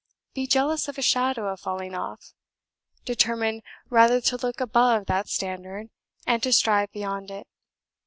Be jealous of a shadow of falling off. Determine rather to look above that standard, and to strive beyond it.